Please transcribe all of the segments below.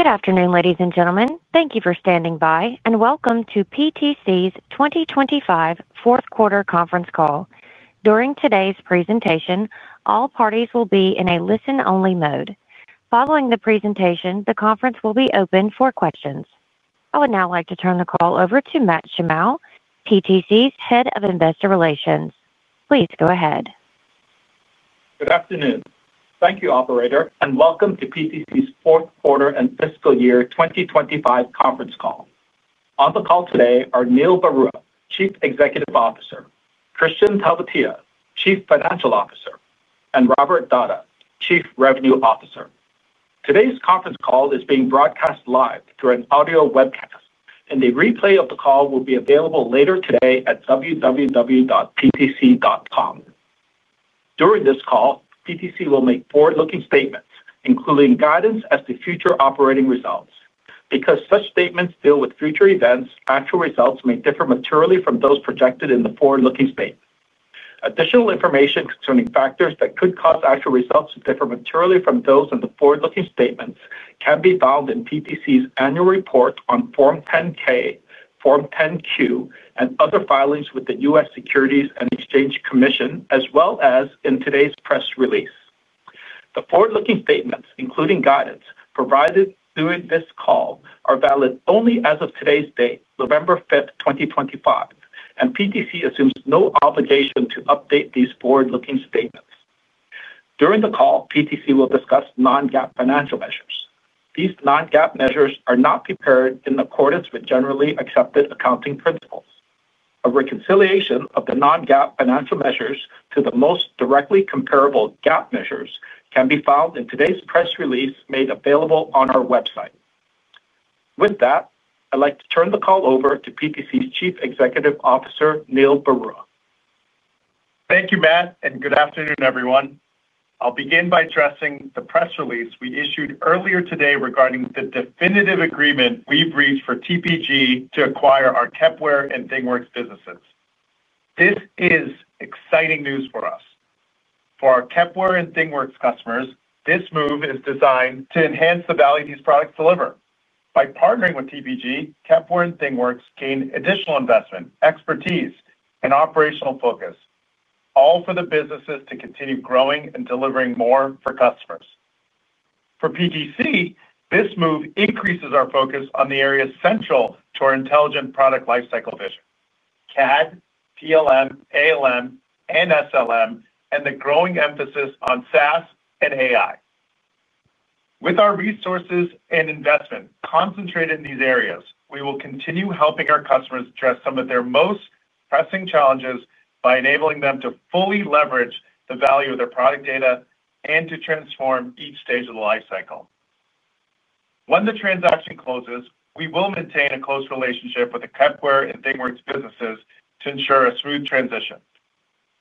Good afternoon, ladies and gentlemen. Thank you for standing by, and welcome to PTC's 2025 fourth quarter conference call. During today's presentation, all parties will be in a listen-only mode. Following the presentation, the conference will be open for questions. I would now like to turn the call over to Matt Shimao, PTC's Head of Investor Relations. Please go ahead. Good afternoon. Thank you, Operator, and welcome to PTC's fourth quarter and fiscal year 2025 conference call. On the call today are Neil Barua, Chief Executive Officer; Kristian Talvitie, Chief Financial Officer; and Robert Dahdah, Chief Revenue Officer. Today's conference call is being broadcast live through an audio webcast, and a replay of the call will be available later today at www.ptc.com. During this call, PTC will make forward-looking statements, including guidance as to future operating results. Because such statements deal with future events, actual results may differ materially from those projected in the forward-looking statement. Additional information concerning factors that could cause actual results to differ materially from those in the forward-looking statements can be found in PTC's annual report on Form 10-K, Form 10-Q, and other filings with the U.S. Securities and Exchange Commission, as well as in today's press release. The forward-looking statements, including guidance provided during this call, are valid only as of today's date, November 5th, 2025, and PTC assumes no obligation to update these forward-looking statements. During the call, PTC will discuss non-GAAP financial measures. These non-GAAP measures are not prepared in accordance with generally accepted accounting principles. A reconciliation of the non-GAAP financial measures to the most directly comparable GAAP measures can be found in today's press release made available on our website. With that, I'd like to turn the call over to PTC's Chief Executive Officer, Neil Barua. Thank you, Matt, and good afternoon, everyone. I'll begin by addressing the press release we issued earlier today regarding the definitive agreement we've reached for TPG to acquire our Kepware and ThingWorx businesses. This is exciting news for us. For our Kepware and ThingWorx customers, this move is designed to enhance the value these products deliver. By partnering with TPG, Kepware and ThingWorx gain additional investment, expertise, and operational focus, all for the businesses to continue growing and delivering more for customers. For PTC, this move increases our focus on the areas central to our intelligent product lifecycle vision: CAD, PLM, ALM, and SLM, and the growing emphasis on SaaS and AI. With our resources and investment concentrated in these areas, we will continue helping our customers address some of their most pressing challenges by enabling them to fully leverage the value of their product data and to transform each stage of the lifecycle. When the transaction closes, we will maintain a close relationship with the Kepware and ThingWorx businesses to ensure a smooth transition.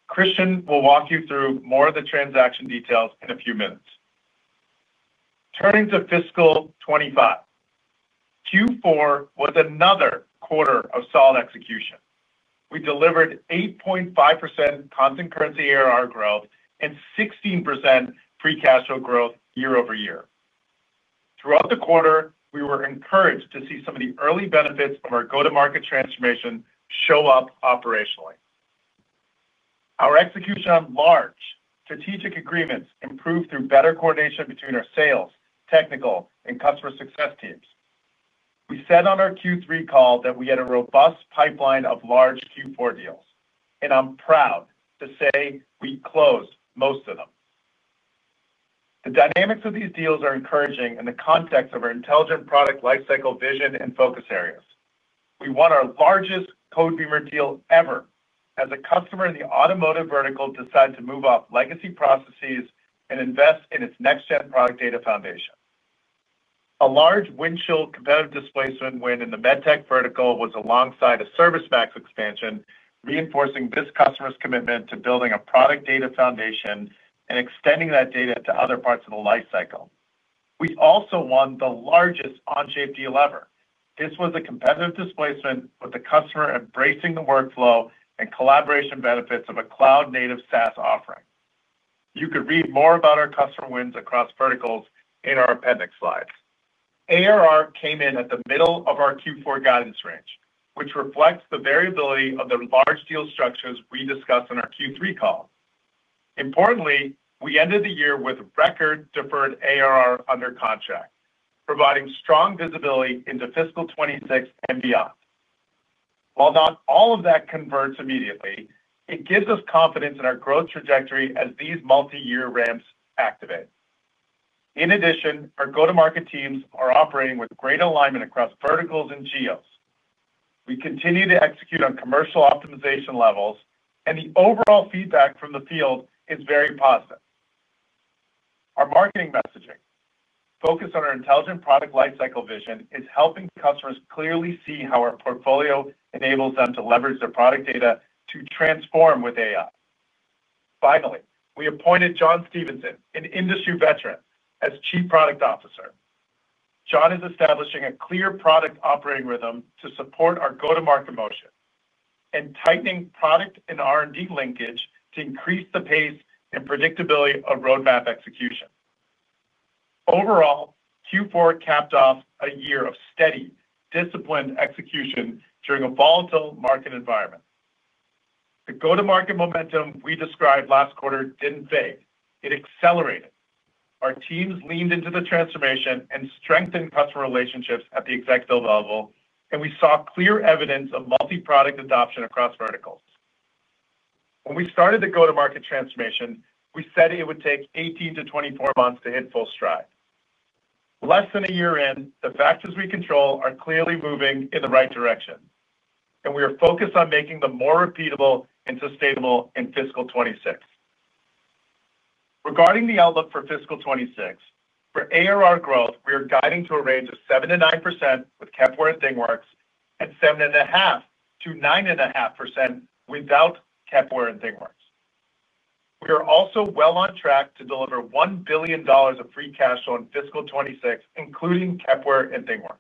Kristian will walk you through more of the transaction details in a few minutes. Turning to Fiscal 2025. Q4 was another quarter of solid execution. We delivered 8.5% constant currency ARR growth and 16% free cash flow growth year-over-year. Throughout the quarter, we were encouraged to see some of the early benefits of our go-to-market transformation show up operationally. Our execution on large strategic agreements improved through better coordination between our sales, technical, and customer success teams. We said on our Q3 call that we had a robust pipeline of large Q4 deals, and I'm proud to say we closed most of them. The dynamics of these deals are encouraging in the context of our intelligent product lifecycle vision and focus areas. We won our largest Codebeamer deal ever as a customer in the automotive vertical decided to move off legacy processes and invest in its next-gen product data foundation. A large Windchill competitive displacement win in the medtech vertical was alongside a ServiceMax expansion, reinforcing this customer's commitment to building a product data foundation and extending that data to other parts of the lifecycle. We also won the largest Onshape deal ever. This was a competitive displacement with the customer embracing the workflow and collaboration benefits of a cloud-native SaaS offering. You could read more about our customer wins across verticals in our appendix slides. ARR came in at the middle of our Q4 guidance range, which reflects the variability of the large deal structures we discussed in our Q3 call. Importantly, we ended the year with record-deferred ARR under contract, providing strong visibility into Fiscal 2026 and beyond. While not all of that converts immediately, it gives us confidence in our growth trajectory as these multi-year ramps activate. In addition, our go-to-market teams are operating with great alignment across verticals and geos. We continue to execute on commercial optimization levels, and the overall feedback from the field is very positive. Our marketing messaging, focused on our intelligent product lifecycle vision, is helping customers clearly see how our portfolio enables them to leverage their product data to transform with AI. Finally, we appointed Jon Stevenson, an industry veteran, as Chief Product Officer. Jon is establishing a clear product operating rhythm to support our go-to-market motion and tightening product and R&D linkage to increase the pace and predictability of roadmap execution. Overall, Q4 capped off a year of steady, disciplined execution during a volatile market environment. The go-to-market momentum we described last quarter did not fade. It accelerated. Our teams leaned into the transformation and strengthened customer relationships at the executive level, and we saw clear evidence of multi-product adoption across verticals. When we started the go-to-market transformation, we said it would take 18 months-24 months to hit full stride. Less than a year in, the factors we control are clearly moving in the right direction, and we are focused on making them more repeatable and sustainable in Fiscal 2026. Regarding the outlook for Fiscal 2026, for ARR growth, we are guiding to a range of 7%-9% with Kepware and ThingWorx and 7.5%-9.5% without Kepware and ThingWorx. We are also well on track to deliver $1 billion of free cash in Fiscal 2026, including Kepware and ThingWorx.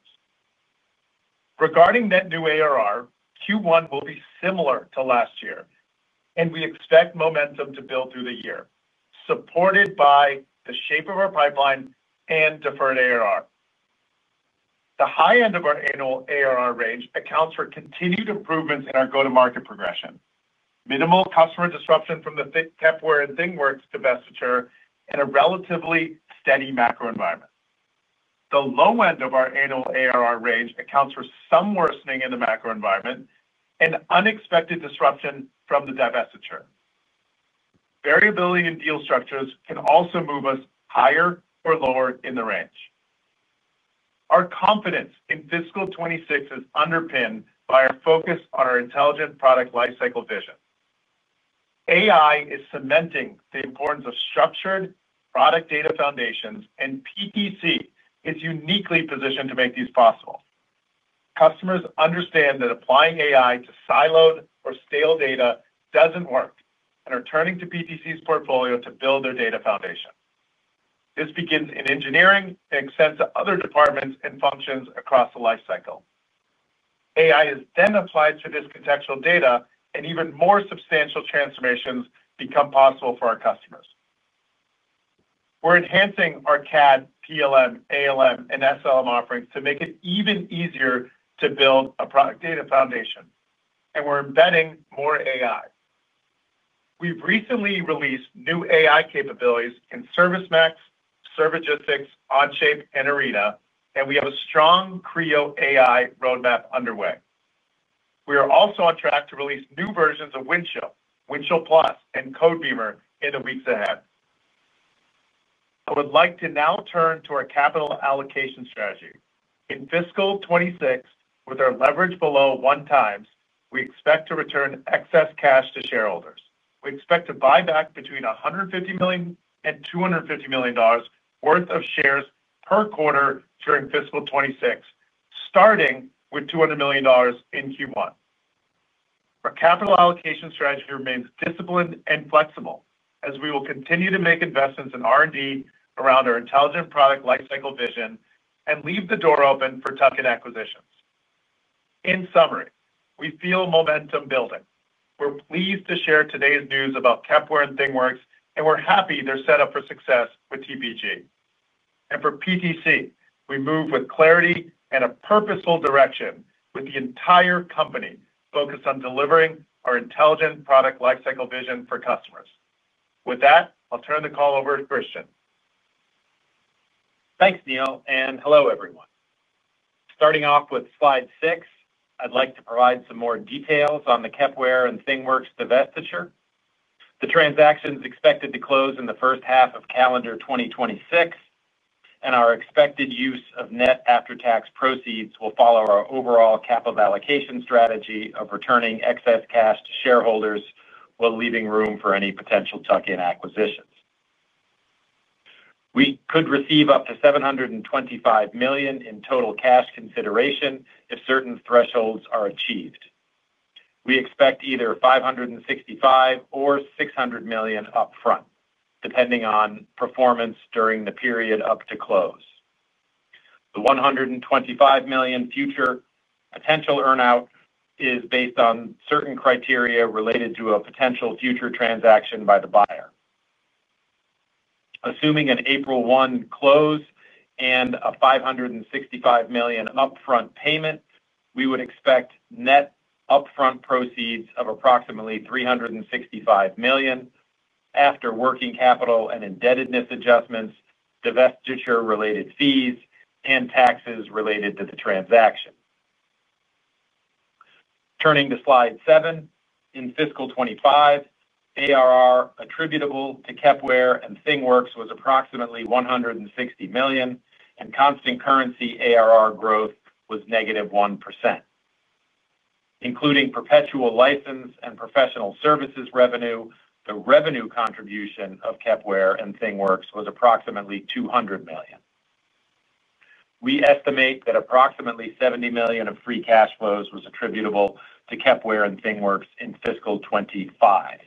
Regarding net new ARR, Q1 will be similar to last year, and we expect momentum to build through the year, supported by the shape of our pipeline and deferred ARR. The high end of our annual ARR range accounts for continued improvements in our go-to-market progression, minimal customer disruption from the Kepware and ThingWorx divestiture, and a relatively steady macro environment. The low end of our annual ARR range accounts for some worsening in the macro environment and unexpected disruption from the divestiture. Variability in deal structures can also move us higher or lower in the range. Our confidence in Fiscal 2026 is underpinned by our focus on our intelligent product lifecycle vision. AI is cementing the importance of structured product data foundations, and PTC is uniquely positioned to make these possible. Customers understand that applying AI to siloed or stale data does not work and are turning to PTC's portfolio to build their data foundation. This begins in engineering and extends to other departments and functions across the lifecycle. AI is then applied to this contextual data, and even more substantial transformations become possible for our customers. We are enhancing our CAD, PLM, ALM, and SLM offerings to make it even easier to build a product data foundation, and we are embedding more AI. We have recently released new AI capabilities in ServiceMax, Servigistics, Onshape, and Arena, and we have a strong Creo AI roadmap underway. We are also on track to release new versions of Windchill, Windchill Plus, and Codebeamer in the weeks ahead. I would like to now turn to our capital allocation strategy. In Fiscal 2026, with our leverage below one times, we expect to return excess cash to shareholders. We expect to buy back between $150 million and $250 million worth of shares per quarter during Fiscal 2026, starting with $200 million in Q1. Our capital allocation strategy remains disciplined and flexible, as we will continue to make investments in R&D around our intelligent product lifecycle vision and leave the door open for tuck-in acquisitions. In summary, we feel momentum building. We're pleased to share today's news about Kepware and ThingWorx, and we're happy they're set up for success with TPG. For PTC, we move with clarity and a purposeful direction, with the entire company focused on delivering our intelligent product lifecycle vision for customers. With that, I'll turn the call over to Kristian. Thanks, Neil, and hello, everyone. Starting off with slide six, I'd like to provide some more details on the Kepware and ThingWorx divestiture. The transaction is expected to close in the first half of calendar 2026. Our expected use of net after-tax proceeds will follow our overall capital allocation strategy of returning excess cash to shareholders while leaving room for any potential tuck-in acquisitions. We could receive up to $725 million in total cash consideration if certain thresholds are achieved. We expect either $565 million or $600 million upfront, depending on performance during the period up to close. The $125 million future potential earnout is based on certain criteria related to a potential future transaction by the buyer. Assuming an April 1 close and a $565 million upfront payment, we would expect net upfront proceeds of approximately $365 million. After working capital and indebtedness adjustments, divestiture-related fees, and taxes related to the transaction. Turning to slide seven, in Fiscal 2025, ARR attributable to Kepware and ThingWorx was approximately $160 million, and constant currency ARR growth was -1%. Including perpetual license and professional services revenue, the revenue contribution of Kepware and ThingWorx was approximately $200 million. We estimate that approximately $70 million of free cash flow was attributable to Kepware and ThingWorx in Fiscal 2025.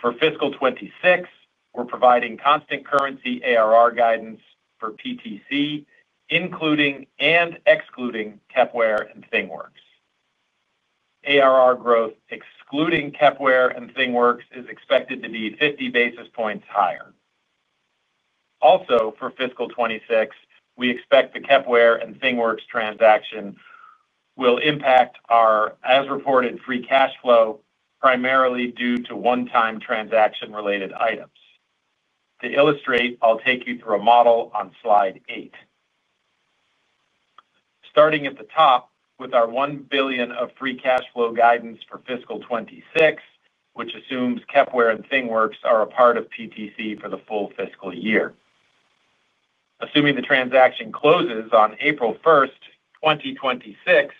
For Fiscal 2026, we're providing constant currency ARR guidance for PTC, including and excluding Kepware and ThingWorx. ARR growth excluding Kepware and ThingWorx is expected to be 50 basis points higher. Also, for Fiscal 2026, we expect the Kepware and ThingWorx transaction will impact our as-reported free cash flow primarily due to one-time transaction-related items. To illustrate, I'll take you through a model on slide eight. Starting at the top with our $1 billion of free cash flow guidance for Fiscal 2026, which assumes Kepware and ThingWorx are a part of PTC for the full fiscal year. Assuming the transaction closes on April 1st, 2026,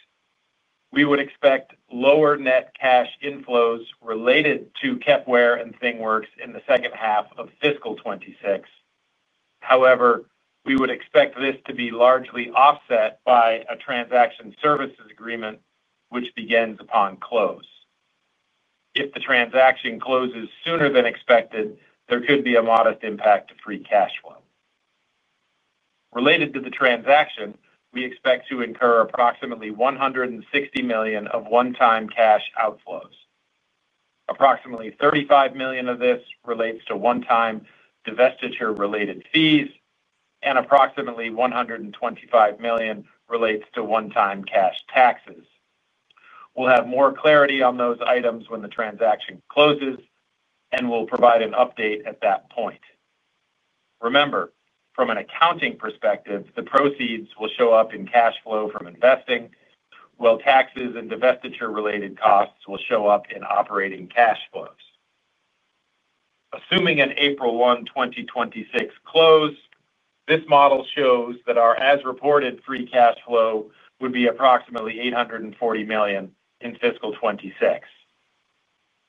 we would expect lower net cash inflows related to Kepware and ThingWorx in the second half of Fiscal 2026. However, we would expect this to be largely offset by a transaction services agreement, which begins upon close. If the transaction closes sooner than expected, there could be a modest impact to free cash flow. Related to the transaction, we expect to incur approximately $160 million of one-time cash outflows. Approximately $35 million of this relates to one-time divestiture-related fees, and approximately $125 million relates to one-time cash taxes. We'll have more clarity on those items when the transaction closes, and we'll provide an update at that point. Remember, from an accounting perspective, the proceeds will show up in cash flow from investing, while taxes and divestiture-related costs will show up in operating cash flows. Assuming an April 1, 2026 close, this model shows that our as-reported free cash flow would be approximately $840 million in Fiscal 2026.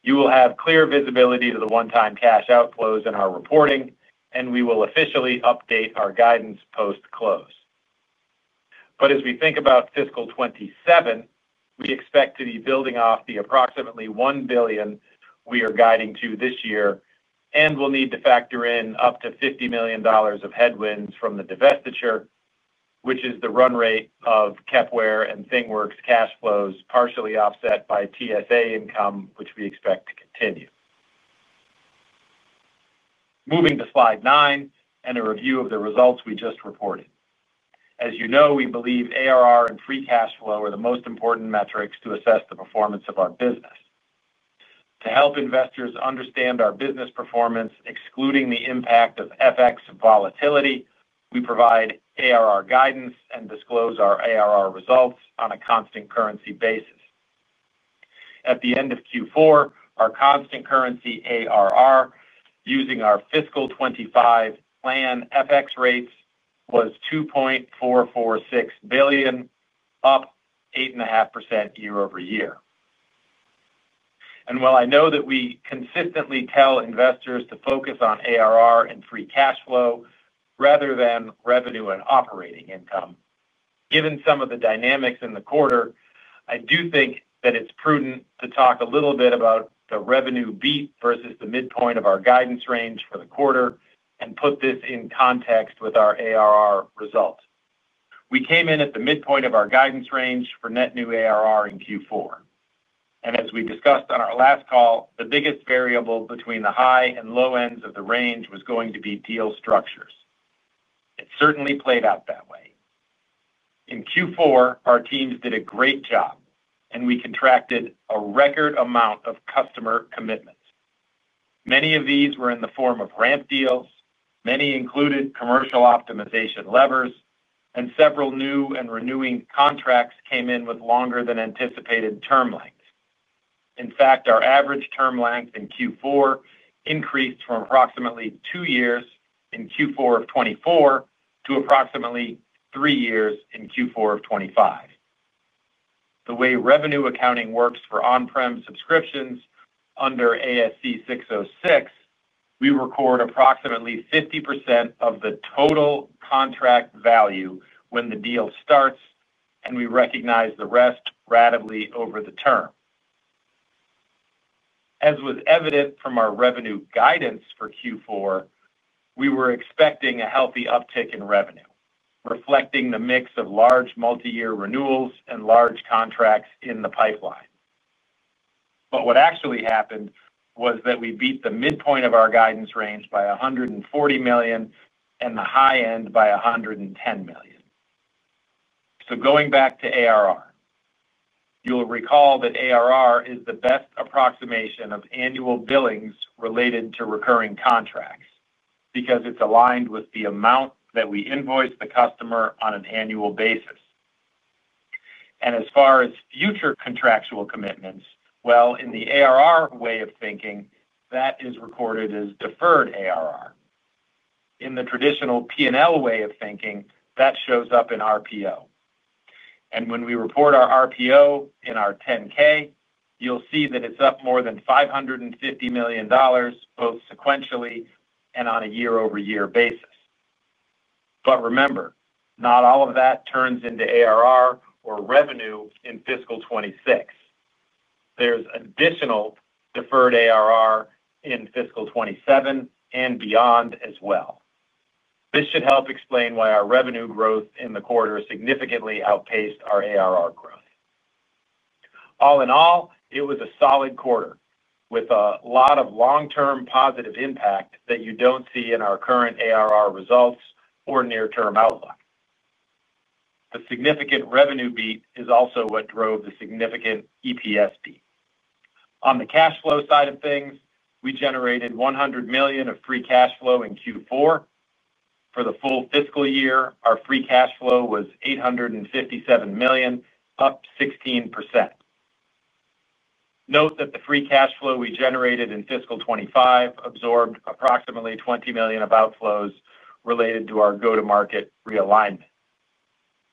You will have clear visibility to the one-time cash outflows in our reporting, and we will officially update our guidance post-close. As we think about Fiscal 2027, we expect to be building off the approximately $1 billion we are guiding to this year, and we'll need to factor in up to $50 million of headwinds from the divestiture, which is the run rate of Kepware and ThingWorx cash flows partially offset by TSA income, which we expect to continue. Moving to slide nine and a review of the results we just reported. As you know, we believe ARR and free cash flow are the most important metrics to assess the performance of our business. To help investors understand our business performance, excluding the impact of FX volatility, we provide ARR guidance and disclose our ARR results on a constant currency basis. At the end of Q4, our constant currency ARR using our Fiscal 2025 plan FX rates was $2.446 billion, up 8.5% year-over-year. While I know that we consistently tell investors to focus on ARR and free cash flow rather than revenue and operating income, given some of the dynamics in the quarter, I do think that it's prudent to talk a little bit about the revenue beat versus the midpoint of our guidance range for the quarter and put this in context with our ARR result. We came in at the midpoint of our guidance range for net new ARR in Q4. As we discussed on our last call, the biggest variable between the high and low ends of the range was going to be deal structures. It certainly played out that way. In Q4, our teams did a great job, and we contracted a record amount of customer commitments. Many of these were in the form of ramp deals. Many included commercial optimization levers, and several new and renewing contracts came in with longer-than-anticipated term lengths. In fact, our average term length in Q4 increased from approximately two years in Q4 of 2024 to approximately three years in Q4 of 2025. The way revenue accounting works for on-prem subscriptions, under ASC 606, we record approximately 50% of the total contract value when the deal starts, and we recognize the rest ratably over the term. As was evident from our revenue guidance for Q4, we were expecting a healthy uptick in revenue, reflecting the mix of large multi-year renewals and large contracts in the pipeline. What actually happened was that we beat the midpoint of our guidance range by $140 million and the high end by $110 million. Going back to ARR, you'll recall that ARR is the best approximation of annual billings related to recurring contracts because it's aligned with the amount that we invoice the customer on an annual basis. As far as future contractual commitments, in the ARR way of thinking, that is recorded as deferred ARR. In the traditional P&L way of thinking, that shows up in RPO. When we report our RPO in our 10-K, you'll see that it's up more than $550 million, both sequentially and on a year-over-year basis. Remember, not all of that turns into ARR or revenue in Fiscal 2026. There is additional deferred ARR in Fiscal 2027 and beyond as well. This should help explain why our revenue growth in the quarter significantly outpaced our ARR growth. All in all, it was a solid quarter with a lot of long-term positive impact that you do not see in our current ARR results or near-term outlook. The significant revenue beat is also what drove the significant EPS beat. On the cash flow side of things, we generated $100 million of free cash flow in Q4. For the full fiscal year, our free cash flow was $857 million, up 16%. Note that the free cash flow we generated in Fiscal 2025 absorbed approximately $20 million of outflows related to our go-to-market realignment.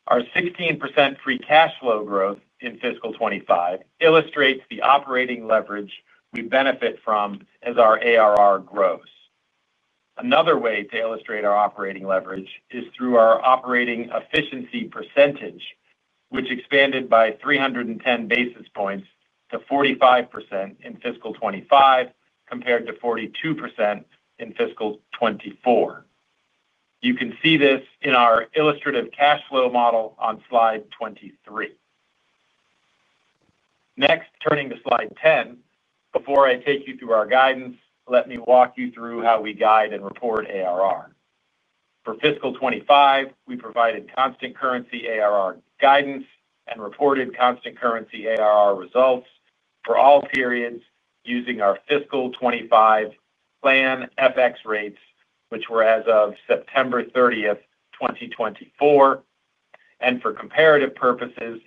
Our 16% free cash flow growth in Fiscal 2025 illustrates the operating leverage we benefit from as our ARR grows. Another way to illustrate our operating leverage is through our operating efficiency percentage, which expanded by 310 basis points to 45% in Fiscal 2025 compared to 42% in Fiscal 2024. You can see this in our illustrative cash flow model on slide 23. Next, turning to slide 10, before I take you through our guidance, let me walk you through how we guide and report ARR. For Fiscal 2025, we provided constant currency ARR guidance and reported constant currency ARR results for all periods using our Fiscal 2025 plan FX rates, which were as of September 30th, 2024. For comparative purposes,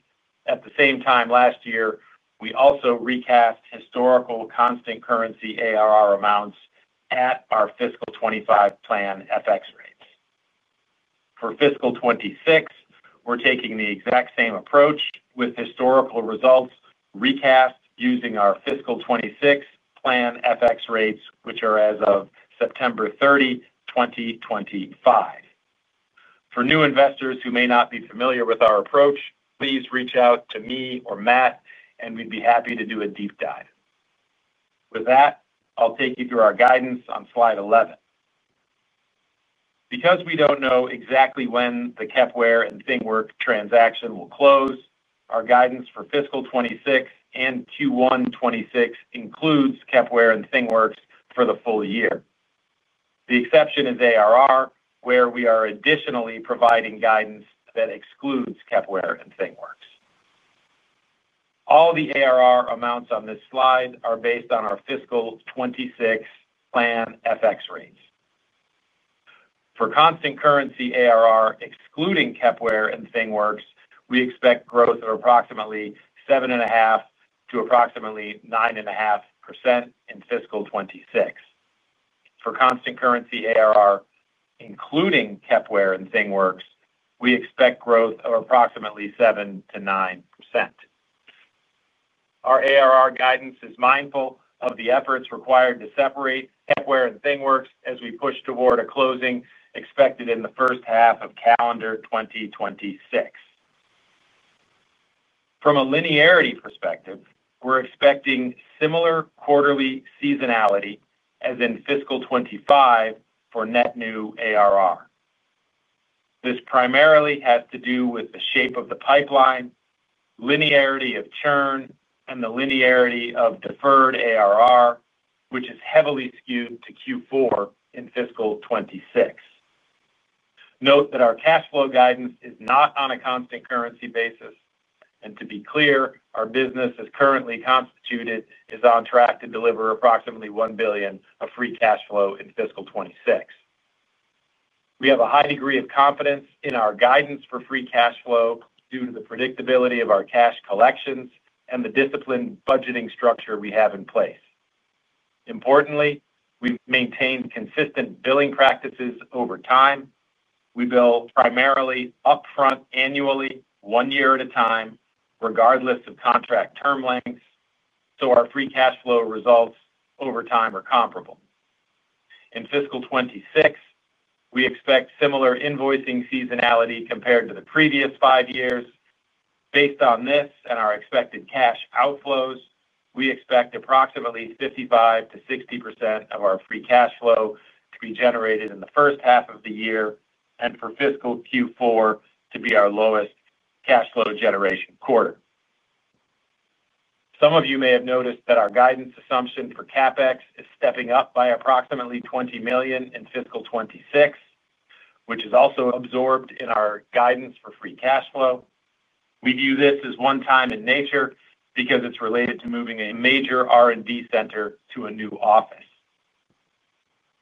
at the same time last year, we also recast historical constant currency ARR amounts at our Fiscal 2025 plan FX rates. For Fiscal 2026, we're taking the exact same approach with historical results recast using our Fiscal 2026 plan FX rates, which are as of September 30, 2025. For new investors who may not be familiar with our approach, please reach out to me or Matt, and we'd be happy to do a deep dive. With that, I'll take you through our guidance on slide 11. Because we don't know exactly when the Kepware and ThingWorx transaction will close, our guidance for Fiscal 2026 and Q1 2026 includes Kepware and ThingWorx for the full year. The exception is ARR, where we are additionally providing guidance that excludes Kepware and ThingWorx. All the ARR amounts on this slide are based on our Fiscal 2026 plan FX rates. For constant currency ARR excluding Kepware and ThingWorx, we expect growth of approximately 7.5% to approximately 9.5% in Fiscal 2026. For constant currency ARR including Kepware and ThingWorx, we expect growth of approximately 7%-9%. Our ARR guidance is mindful of the efforts required to separate Kepware and ThingWorx as we push toward a closing expected in the first half of calendar 2026. From a linearity perspective, we're expecting similar quarterly seasonality as in Fiscal 2025 for net new ARR. This primarily has to do with the shape of the pipeline, linearity of churn, and the linearity of deferred ARR, which is heavily skewed to Q4 in Fiscal 2026. Note that our cash flow guidance is not on a constant currency basis. To be clear, our business as currently constituted is on track to deliver approximately $1 billion of free cash flow in Fiscal 2026. We have a high degree of confidence in our guidance for free cash flow due to the predictability of our cash collections and the disciplined budgeting structure we have in place. Importantly, we've maintained consistent billing practices over time. We bill primarily upfront annually, one year at a time, regardless of contract term lengths, so our free cash flow results over time are comparable. In Fiscal 2026, we expect similar invoicing seasonality compared to the previous five years. Based on this and our expected cash outflows, we expect approximately 55%-60% of our free cash flow to be generated in the first half of the year and for Fiscal Q4 to be our lowest cash flow generation quarter. Some of you may have noticed that our guidance assumption for CapEx is stepping up by approximately $20 million in Fiscal 2026. Which is also absorbed in our guidance for free cash flow. We view this as one-time in nature because it's related to moving a major R&D center to a new office.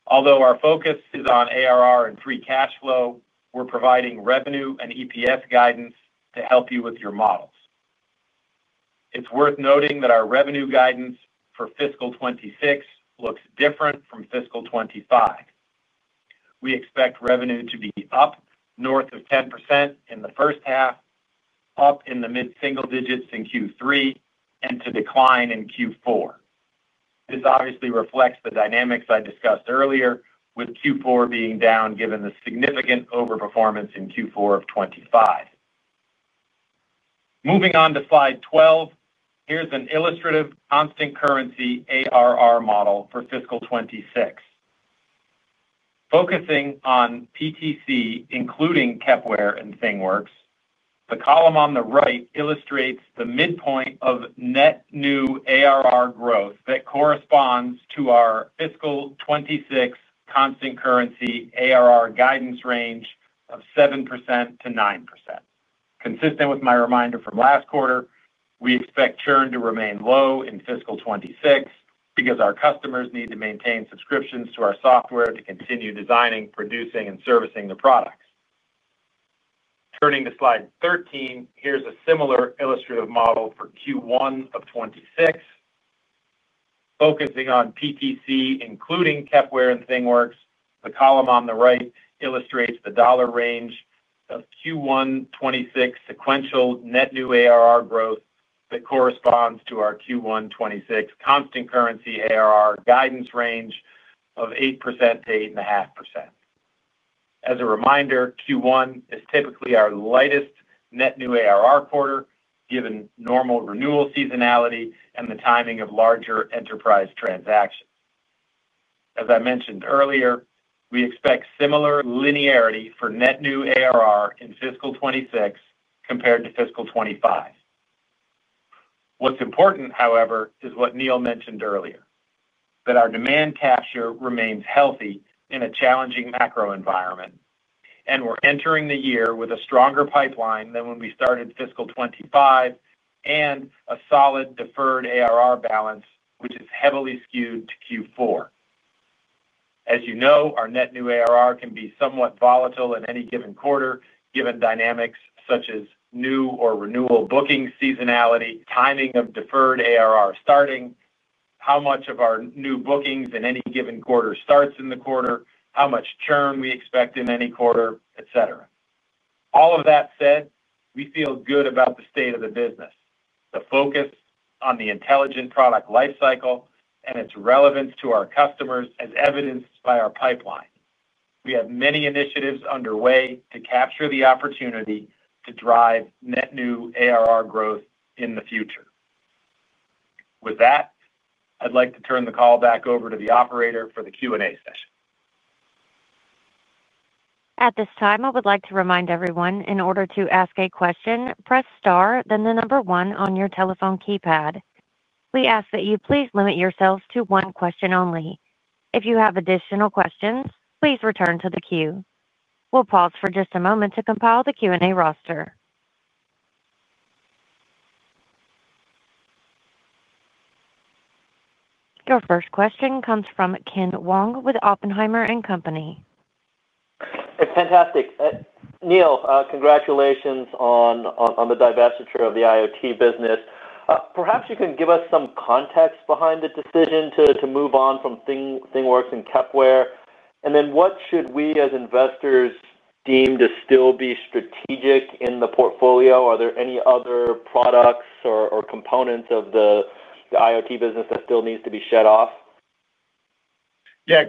Although our focus is on ARR and free cash flow, we're providing revenue and EPS guidance to help you with your models. It's worth noting that our revenue guidance for Fiscal 2026 looks different from Fiscal 2025. We expect revenue to be up north of 10% in the first half, up in the mid-single digits in Q3, and to decline in Q4. This obviously reflects the dynamics I discussed earlier, with Q4 being down given the significant overperformance in Q4 of 2025. Moving on to slide 12, here's an illustrative constant currency ARR model for Fiscal 2026. Focusing on PTC, including Kepware and ThingWorx, the column on the right illustrates the midpoint of net new ARR growth that corresponds to our Fiscal 2026 constant currency ARR guidance range of 7%-9%. Consistent with my reminder from last quarter, we expect churn to remain low in Fiscal 2026 because our customers need to maintain subscriptions to our software to continue designing, producing, and servicing the products. Turning to slide 13, here is a similar illustrative model for Q1 of 2026. Focusing on PTC, including Kepware and ThingWorx, the column on the right illustrates the dollar range of Q1 2026 sequential net new ARR growth that corresponds to our Q1 2026 constant currency ARR guidance range of 8%-8.5%. As a reminder, Q1 is typically our lightest net new ARR quarter given normal renewal seasonality and the timing of larger enterprise transactions. As I mentioned earlier, we expect similar linearity for net new ARR in Fiscal 2026 compared to Fiscal 2025. What's important, however, is what Neil mentioned earlier, that our demand capture remains healthy in a challenging macro environment, and we're entering the year with a stronger pipeline than when we started Fiscal 2025 and a solid deferred ARR balance, which is heavily skewed to Q4. As you know, our net new ARR can be somewhat volatile in any given quarter given dynamics such as new or renewal booking seasonality, timing of deferred ARR starting, how much of our new bookings in any given quarter starts in the quarter, how much churn we expect in any quarter, et cetera. All of that said, we feel good about the state of the business, the focus on the intelligent product lifecycle, and its relevance to our customers as evidenced by our pipeline. We have many initiatives underway to capture the opportunity to drive net new ARR growth in the future. With that, I'd like to turn the call back over to the operator for the Q&A session. At this time, I would like to remind everyone, in order to ask a question, press star, then the number one on your telephone keypad. We ask that you please limit yourselves to one question only. If you have additional questions, please return to the queue. We'll pause for just a moment to compile the Q&A roster. Your first question comes from Ken Wong with Oppenheimer & Company. It's fantastic. Neil, congratulations on the divestiture of the IoT business. Perhaps you can give us some context behind the decision to move on from ThingWorx and Kepware. What should we as investors deem to still be strategic in the portfolio? Are there any other products or components of the IoT business that still need to be shed off? Yeah.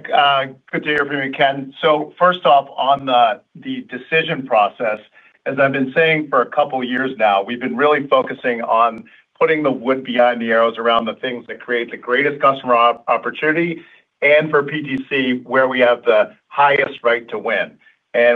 Good to hear from you, Ken. First off, on the decision process. As I've been saying for a couple of years now, we've been really focusing on putting the wood behind the arrows around the things that create the greatest customer opportunity and for PTC where we have the highest right to win.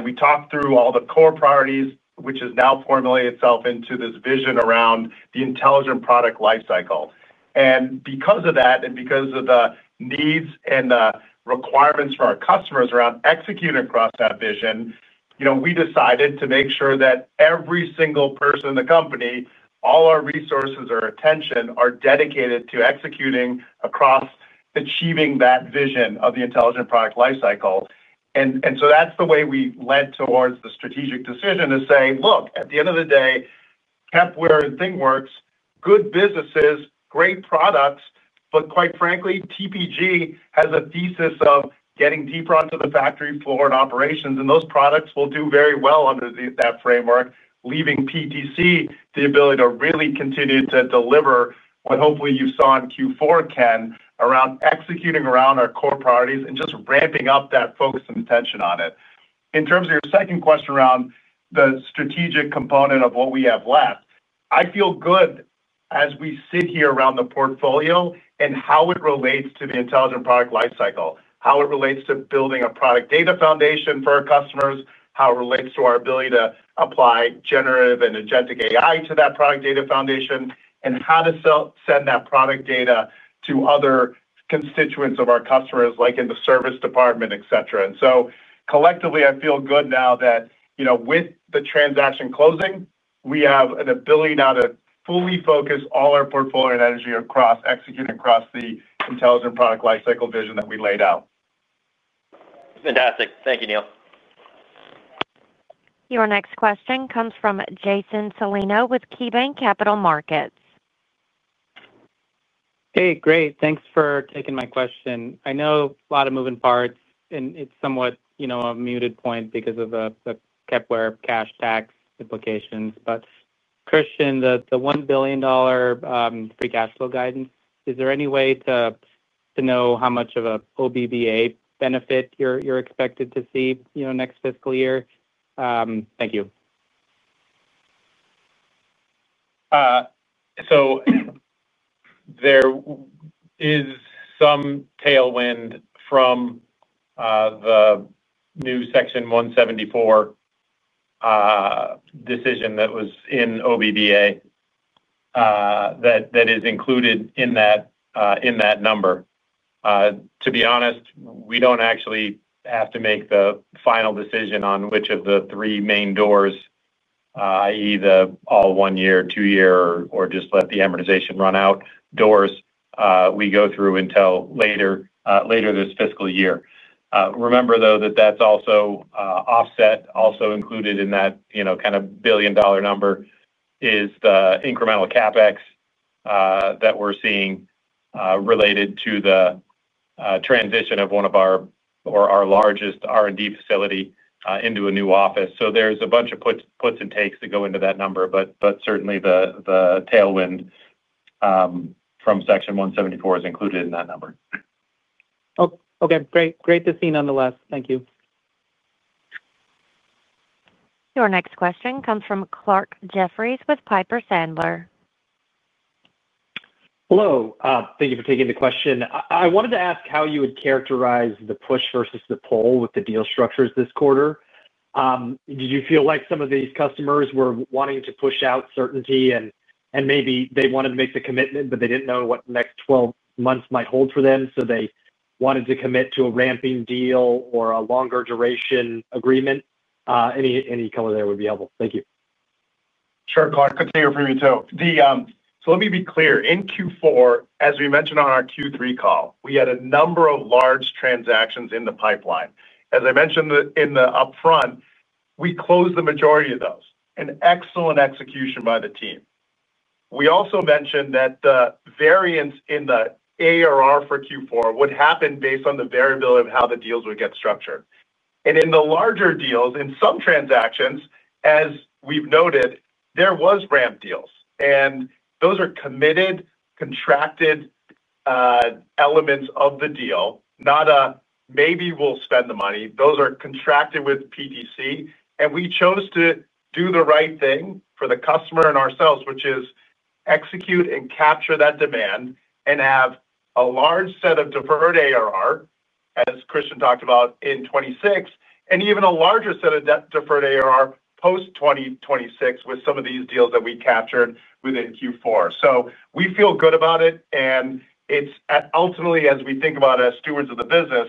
We talked through all the core priorities, which has now formulated itself into this vision around the intelligent product lifecycle. Because of that and because of the needs and the requirements for our customers around executing across that vision, we decided to make sure that every single person in the company, all our resources, our attention are dedicated to executing across achieving that vision of the intelligent product lifecycle. That is the way we led towards the strategic decision to say, "Look, at the end of the day, Kepware and ThingWorx, good businesses, great products, but quite frankly, TPG has a thesis of getting deeper onto the factory floor and operations, and those products will do very well under that framework, leaving PTC the ability to really continue to deliver what hopefully you saw in Q4, Ken, around executing around our core priorities and just ramping up that focus and attention on it." In terms of your second question around the strategic component of what we have left, I feel good as we sit here around the portfolio and how it relates to the intelligent product lifecycle, how it relates to building a product data foundation for our customers, how it relates to our ability to apply generative and Agentic AI to that product data foundation, and how to send that product data to other constituents of our customers, like in the service department, et cetera. Collectively, I feel good now that with the transaction closing, we have an ability now to fully focus all our portfolio and energy across executing across the intelligent product lifecycle vision that we laid out. Fantastic. Thank you, Neil. Your next question comes from Jason Celino with KeyBanc Capital Markets. Hey, great. Thanks for taking my question. I know a lot of moving parts, and it's somewhat a muted point because of the Kepware cash tax implications. But Kristian, the $1 billion free cash flow guidance, is there any way to know how much of an OBBA benefit you're expected to see next fiscal year? Thank you. There is some tailwind from the new Section 174 decision that was in OBBA. That is included in that number. To be honest, we do not actually have to make the final decision on which of the three main doors, i.e., the all one-year, two-year, or just let the amortization run out doors, we go through until later this fiscal year. Remember, though, that is also offset, also included in that kind of billion-dollar number, is the incremental CapEx that we are seeing related to the transition of one of our largest R&D facility into a new office. So there is a bunch of puts and takes that go into that number, but certainly the tailwind from Section 174 is included in that number. Okay. Great. Great to see nonetheless. Thank you. Your next question comes from Clarke Jeffries with Piper Sandler. Hello. Thank you for taking the question. I wanted to ask how you would characterize the push versus the pull with the deal structures this quarter. Did you feel like some of these customers were wanting to push out certainty and maybe they wanted to make the commitment, but they did not know what the next 12 months might hold for them, so they wanted to commit to a ramping deal or a longer duration agreement? Any color there would be helpful. Thank you. Sure, Clarke. Good to hear from you too. Let me be clear. In Q4, as we mentioned on our Q3 call, we had a number of large transactions in the pipeline. As I mentioned in the upfront, we closed the majority of those. An excellent execution by the team. We also mentioned that the variance in the ARR for Q4 would happen based on the variability of how the deals would get structured. In the larger deals, in some transactions, as we have noted, there were ramp deals. Those are committed, contracted elements of the deal, not a maybe we will spend the money. Those are contracted with PTC. We chose to do the right thing for the customer and ourselves, which is execute and capture that demand and have a large set of deferred ARR, as Kristian talked about in 2026, and even a larger set of deferred ARR post-2026 with some of these deals that we captured within Q4. We feel good about it. Ultimately, as we think about it as stewards of the business,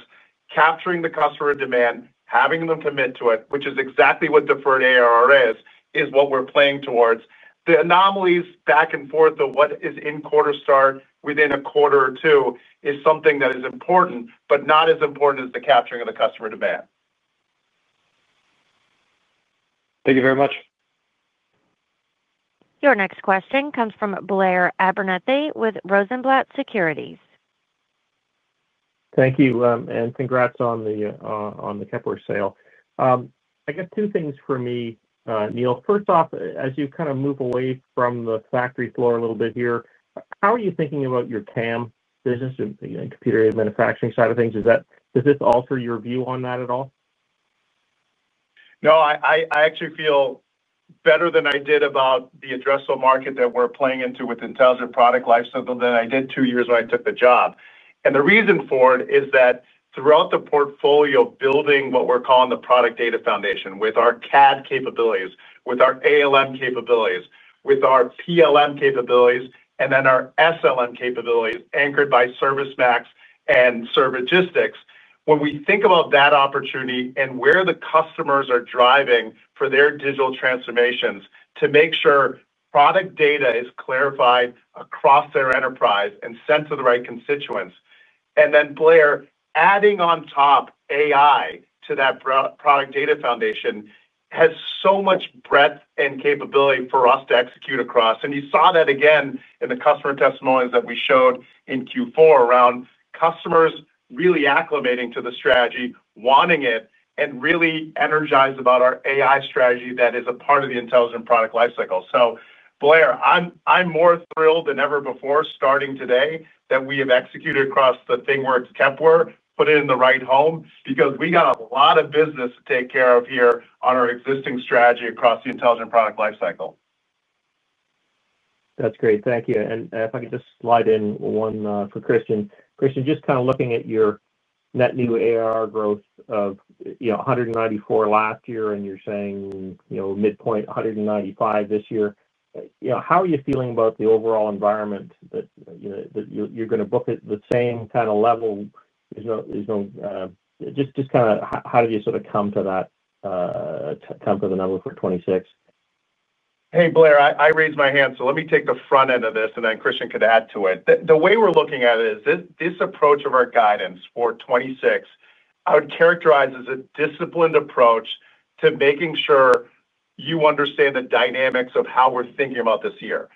capturing the customer demand, having them commit to it, which is exactly what deferred ARR is, is what we are playing towards. The anomalies back and forth of what is in quarter start within a quarter or two is something that is important, but not as important as the capturing of the customer demand. Thank you very much. Your next question comes from Blair Abernethy with Rosenblatt Securities. Thank you. And congrats on the Kepware sale. I guess two things for me, Neil. First off, as you kind of move away from the factory floor a little bit here, how are you thinking about your CAM business and computer aided manufacturing side of things? Does this alter your view on that at all? No, I actually feel better than I did about the addressable market that we're playing into with intelligent product lifecycle than I did two years when I took the job. The reason for it is that throughout the portfolio building what we're calling the product data foundation with our CAD capabilities, with our ALM capabilities, with our PLM capabilities, and then our SLM capabilities anchored by ServiceMax and Servigistics, when we think about that opportunity and where the customers are driving for their digital transformations to make sure product data is clarified across their enterprise and sent to the right constituents. Blair, adding on top AI to that product data foundation has so much breadth and capability for us to execute across. You saw that again in the customer testimonials that we showed in Q4 around customers really acclimating to the strategy, wanting it, and really energized about our AI strategy that is a part of the intelligent product lifecycle. Blair, I'm more thrilled than ever before starting today that we have executed across the ThingWorx, Kepware, put it in the right home because we got a lot of business to take care of here on our existing strategy across the intelligent product lifecycle. That's great. Thank you. If I could just slide in one for Kristian. Kristian, just kind of looking at your net new ARR growth of $194 million last year and you're saying midpoint $195 million this year, how are you feeling about the overall environment that you're going to book at the same kind of level? Just kind of how did you sort of come to that number for 2026? Hey, Blair, I raised my hand. Let me take the front end of this, and then Kristian could add to it. The way we're looking at it is this approach of our guidance for 2026, I would characterize as a disciplined approach to making sure you understand the dynamics of how we're thinking about this year.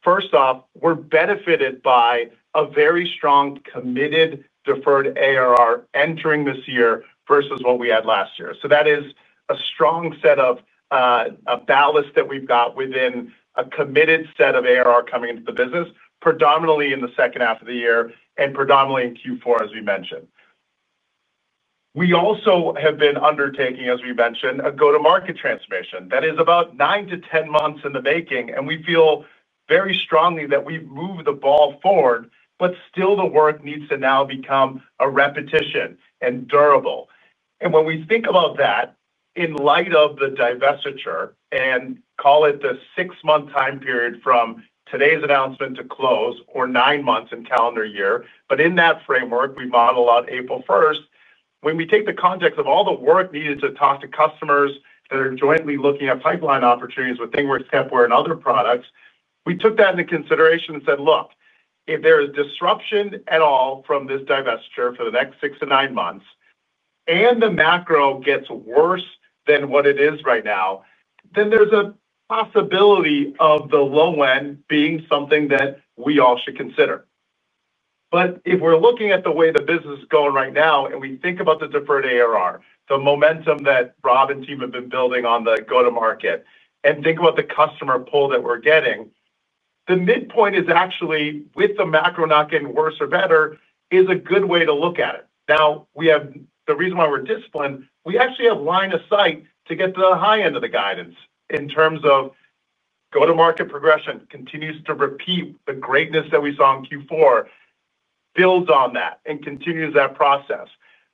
First off, we're benefited by a very strong committed deferred ARR entering this year versus what we had last year. That is a strong set of a ballast that we've got within a committed set of ARR coming into the business, predominantly in the second half of the year and predominantly in Q4, as we mentioned. We also have been undertaking, as we mentioned, a go-to-market transformation. That is about nine to 10 months in the making, and we feel very strongly that we've moved the ball forward, but still the work needs to now become a repetition and durable. When we think about that. In light of the divestiture and call it the six-month time period from today's announcement to close or nine months in calendar year, but in that framework, we modeled on April 1st, when we take the context of all the work needed to talk to customers that are jointly looking at pipeline opportunities with ThingWorx, Kepware, and other products, we took that into consideration and said, "Look, if there is disruption at all from this divestiture for the next six to nine months, and the macro gets worse than what it is right now, then there's a possibility of the low end being something that we all should consider." If we're looking at the way the business is going right now and we think about the deferred ARR, the momentum that Rob and team have been building on the go-to-market, and think about the customer pull that we're getting, the midpoint is actually, with the macro not getting worse or better, is a good way to look at it. Now, the reason why we're disciplined, we actually have line of sight to get to the high end of the guidance in terms of go-to-market progression, continues to repeat the greatness that we saw in Q4, builds on that and continues that process.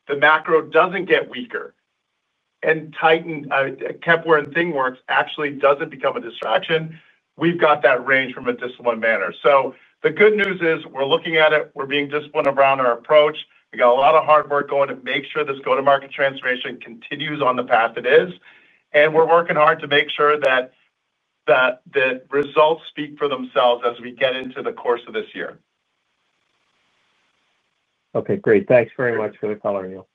The macro doesn't get weaker, and Kepware and ThingWorx actually don't become a distraction. We've got that range from a disciplined manner. The good news is we're looking at it, we're being disciplined around our approach. We got a lot of hard work going to make sure this go-to-market transformation continues on the path it is. We're working hard to make sure that the results speak for themselves as we get into the course of this year. Okay. Great. Thanks very much for the call, Neil.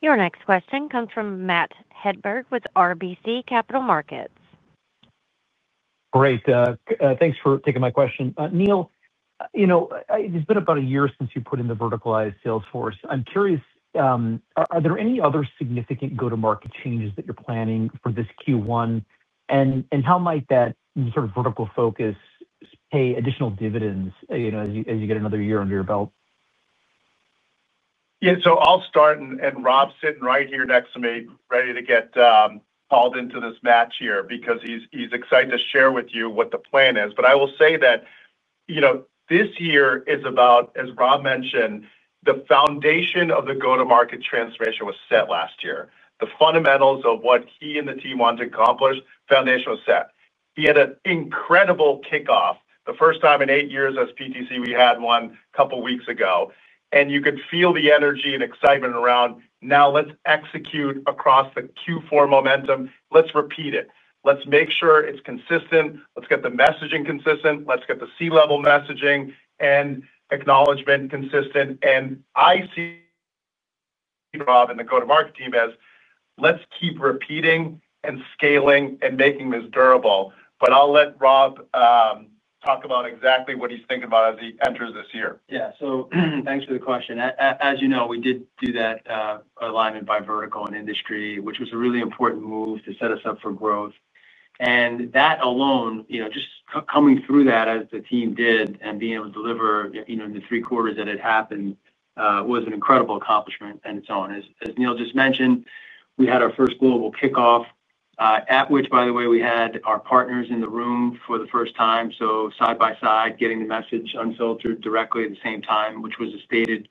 Your next question comes from Matt Hedberg with RBC Capital Markets. Great. Thanks for taking my question. Neil, it's been about a year since you put in the verticalized Salesforce. I'm curious, are there any other significant go-to-market changes that you're planning for this Q1? How might that sort of vertical focus pay additional dividends as you get another year under your belt? Yeah. I'll start, and Rob's sitting right here next to me, ready to get called into this match here because he's excited to share with you what the plan is. I will say that this year is about, as Rob mentioned, the foundation of the go-to-market transformation was set last year. The fundamentals of what he and the team wanted to accomplish, foundation was set. He had an incredible kickoff. The first time in eight years at PTC, we had one a couple of weeks ago. You could feel the energy and excitement around, "Now let's execute across the Q4 momentum. Let's repeat it. Let's make sure it's consistent. Let's get the messaging consistent. Let's get the C-level messaging and acknowledgement consistent." I see Rob and the go-to-market team as, "Let's keep repeating and scaling and making this durable." I'll let Rob. Talk about exactly what he's thinking about as he enters this year. Yeah. Thanks for the question. As you know, we did do that alignment by vertical and industry, which was a really important move to set us up for growth. That alone, just coming through that as the team did and being able to deliver in the three quarters that it happened, was an incredible accomplishment in its own. As Neil just mentioned, we had our first global kickoff. At which, by the way, we had our partners in the room for the first time. Side by side, getting the message unfiltered directly at the same time, which was a stated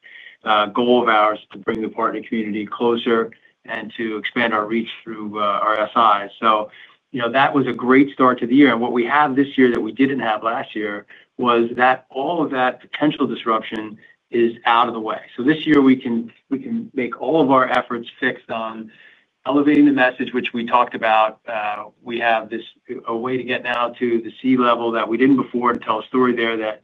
goal of ours to bring the partner community closer and to expand our reach through our SIs. That was a great start to the year. What we have this year that we did not have last year is that all of that potential disruption is out of the way. This year, we can make all of our efforts fixed on elevating the message, which we talked about. We have a way to get now to the C-level that we did not before to tell a story there that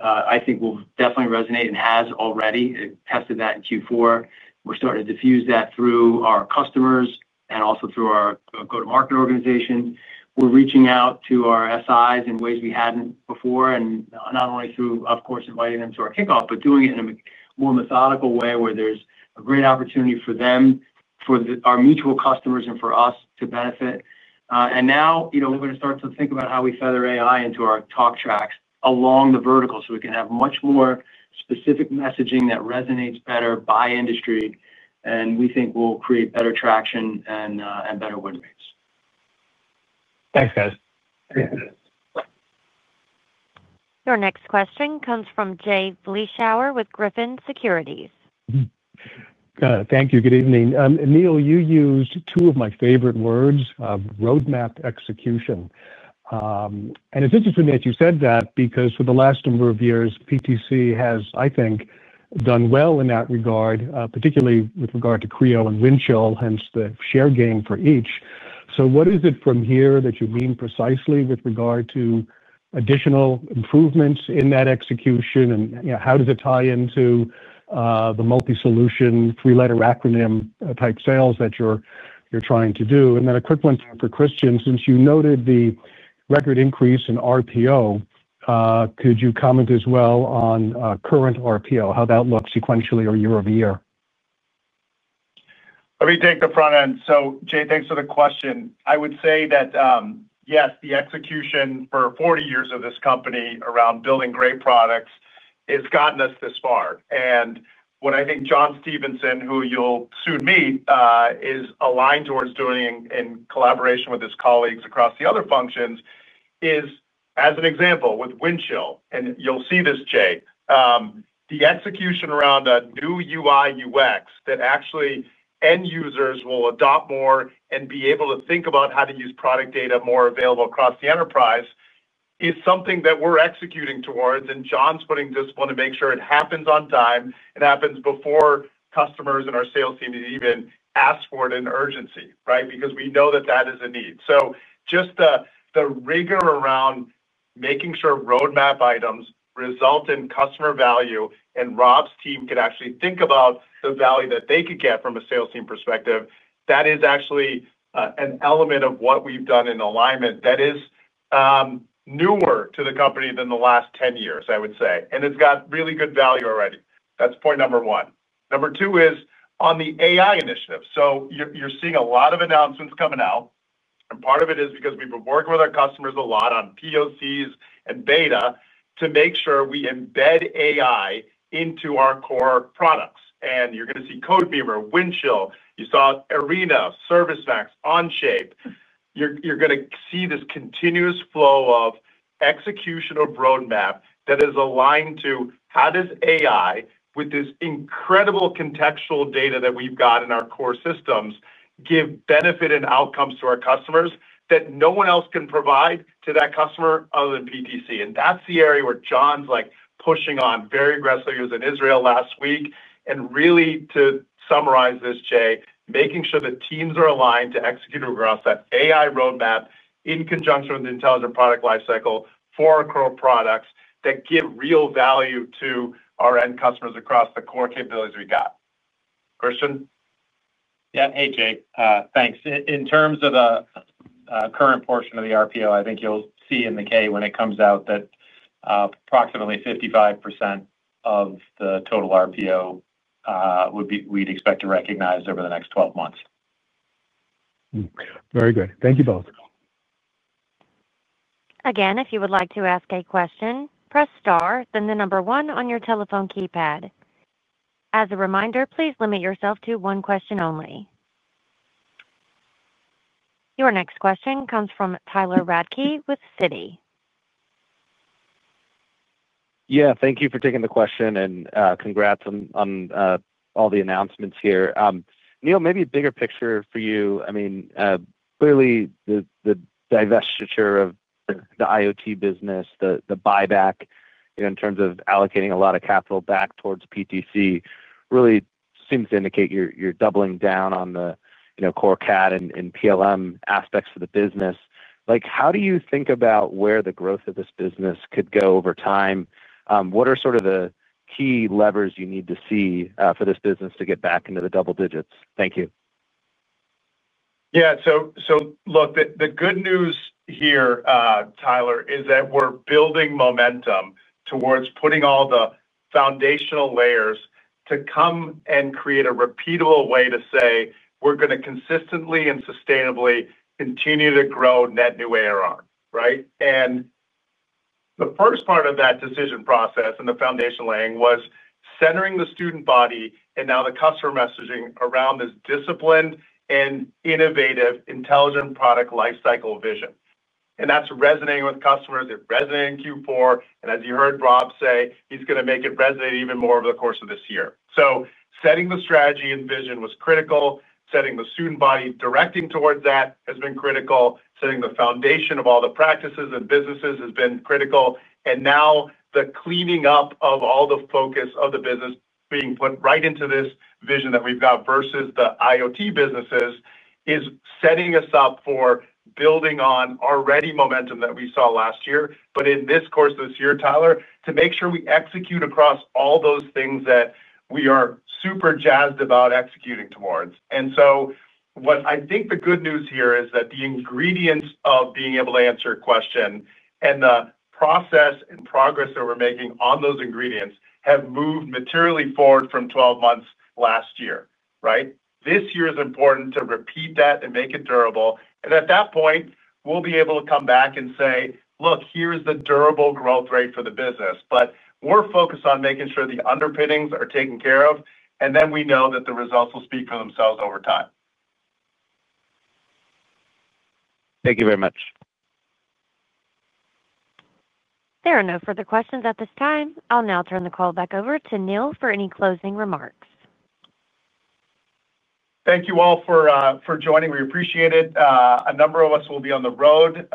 I think will definitely resonate and has already. I tested that in Q4. We are starting to diffuse that through our customers and also through our go-to-market organization. We are reaching out to our SIs in ways we had not before, and not only through, of course, inviting them to our kickoff, but doing it in a more methodical way where there is a great opportunity for them, for our mutual customers, and for us to benefit. We're going to start to think about how we feather AI into our talk tracks along the vertical so we can have much more specific messaging that resonates better by industry. We think we'll create better traction and better win rates. Thanks, guys. Your next question comes from Jay Vleeschhouwer with Griffin Securities. Thank you. Good evening. Neil, you used two of my favorite words, roadmap execution. It's interesting that you said that because for the last number of years, PTC has, I think, done well in that regard, particularly with regard to Creo and Windchill, hence the share gain for each. What is it from here that you mean precisely with regard to additional improvements in that execution? How does it tie into the multi-solution three-letter acronym type sales that you're trying to do? A quick one for Kristian, since you noted the record increase in RPO, could you comment as well on current RPO, how that looks sequentially or year-over-year? Let me take the front end. Jay, thanks for the question. I would say that yes, the execution for 40 years of this company around building great products has gotten us this far. What I think Jon Stevenson, who you'll soon meet, is aligned towards doing in collaboration with his colleagues across the other functions is, as an example, with Windchill, and you'll see this, Jay. The execution around a new UI/UX that actually end users will adopt more and be able to think about how to use product data more available across the enterprise is something that we're executing towards. Jon's putting discipline to make sure it happens on time. It happens before customers and our sales teams even ask for it in urgency, right? Because we know that that is a need. Just the rigor around making sure roadmap items result in customer value and Rob's team can actually think about the value that they could get from a sales team perspective, that is actually an element of what we've done in alignment that is newer to the company than the last 10 years, I would say. It has really good value already. That's point number one. Number two is on the AI initiative. You're seeing a lot of announcements coming out. Part of it is because we've been working with our customers a lot on POCs and beta to make sure we embed AI into our core products. You're going to see Codebeamer, Windchill. You saw Arena, ServiceMax, Onshape. You're going to see this continuous flow of execution or roadmap that is aligned to how does AI, with this incredible contextual data that we've got in our core systems, give benefit and outcomes to our customers that no one else can provide to that customer other than PTC. That is the area where Jon's pushing on very aggressively. He was in Israel last week. Really, to summarize this, Jay, making sure that teams are aligned to execute across that AI roadmap in conjunction with the intelligent product lifecycle for our core products that give real value to our end customers across the core capabilities we got. Kristian? Yeah. Hey, Jake. Thanks. In terms of the current portion of the RPO, I think you'll see in the K when it comes out that approximately 55% of the total RPO we'd expect to recognize over the next 12 months. Very good. Thank you both. Again, if you would like to ask a question, press star, then the number one on your telephone keypad. As a reminder, please limit yourself to one question only. Your next question comes from Tyler Radke with Citi. Yeah. Thank you for taking the question and congrats on all the announcements here. Neil, maybe a bigger picture for you. I mean, clearly, the divestiture of the IoT business, the buyback in terms of allocating a lot of capital back towards PTC really seems to indicate you're doubling down on the core CAD and PLM aspects of the business. How do you think about where the growth of this business could go over time? What are sort of the key levers you need to see for this business to get back into the double digits? Thank you. Yeah. Look, the good news here, Tyler, is that we're building momentum towards putting all the foundational layers to come and create a repeatable way to say, "We're going to consistently and sustainably continue to grow net new ARR," right? The first part of that decision process and the foundation laying was centering the student body and now the customer messaging around this disciplined and innovative intelligent product lifecycle vision. That is resonating with customers. It resonated in Q4. As you heard Rob say, he's going to make it resonate even more over the course of this year. Setting the strategy and vision was critical. Setting the student body directing towards that has been critical. Setting the foundation of all the practices and businesses has been critical. Now the cleaning up of all the focus of the business being put right into this vision that we've got versus the IoT businesses is setting us up for building on already momentum that we saw last year, but in this course of this year, Tyler, to make sure we execute across all those things that we are super jazzed about executing towards. What I think the good news here is that the ingredients of being able to answer a question and the process and progress that we're making on those ingredients have moved materially forward from 12 months last year, right? This year is important to repeat that and make it durable. At that point, we'll be able to come back and say, "Look, here's the durable growth rate for the business." We're focused on making sure the underpinnings are taken care of, and then we know that the results will speak for themselves over time. Thank you very much. There are no further questions at this time. I'll now turn the call back over to Neil for any closing remarks. Thank you all for joining. We appreciate it. A number of us will be on the road,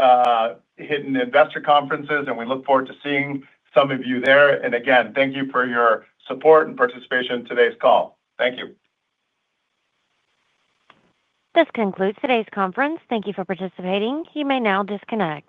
hitting investor conferences, and we look forward to seeing some of you there. Again, thank you for your support and participation in today's call. Thank you. This concludes today's conference. Thank you for participating. You may now disconnect.